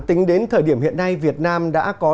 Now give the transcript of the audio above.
tính đến thời điểm hiện nay việt nam đã có